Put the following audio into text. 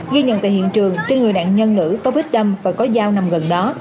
ghi nhận tại hiện trường trên người nạn nhân nữ có vết đâm và có dao nằm gần đó